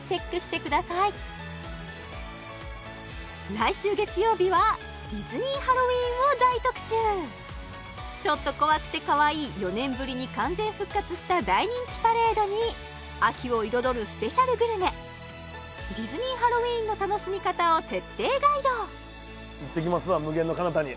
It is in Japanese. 来週月曜日はディズニー・ハロウィーンを大特集ちょっと怖くてかわいい４年ぶりに完全復活した大人気パレードに秋を彩るスペシャルグルメディズニー・ハロウィーンの楽しみ方を徹底ガイドいってきますわ無限の彼方に